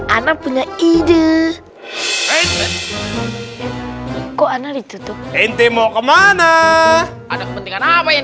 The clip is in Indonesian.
ana punya ide kok ana ditutup inti mau kemana ada kepentingan apa yang